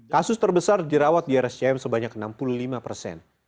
kasus terbesar dirawat di rscm sebanyak enam puluh lima persen